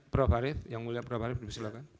prof harif yang mulia prof harif silakan